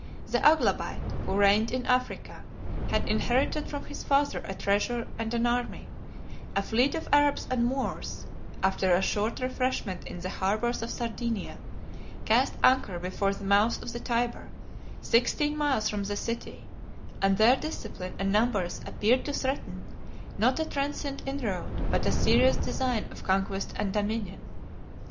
The Aglabite, 88 who reigned in Africa, had inherited from his father a treasure and an army: a fleet of Arabs and Moors, after a short refreshment in the harbors of Sardinia, cast anchor before the mouth of the Tyber, sixteen miles from the city: and their discipline and numbers appeared to threaten, not a transient inroad, but a serious design of conquest and dominion.